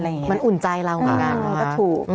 มันอุ่นใจเราก็ถูก